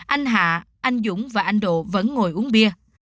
anh hạ anh dũng và anh độ vẫn ngồi uống bia